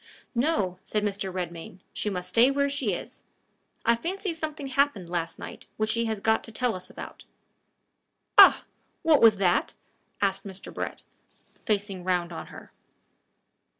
"No," said Mr. Redmain; "she must stay where she is. I fancy something happened last night which she has got to tell us about." "Ah! What was that?" asked Mr. Brett, facing round on her.